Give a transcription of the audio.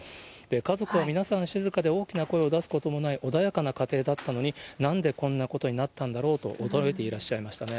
家族は皆さん静かで、大きな声を出すこともない穏やかな家庭だったのに、なんでこんなことになったんだろうと、驚いていらっしゃいましたね。